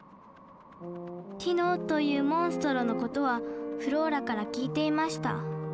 「ティノ」というモンストロのことはフローラから聞いていました